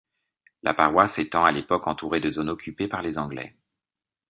La paroisse étant, à l'époque, entourée de zones occupées par les Anglais.